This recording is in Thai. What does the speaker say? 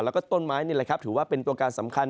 แล้วก็ต้นไม้นี่แหละครับถือว่าเป็นตัวการสำคัญ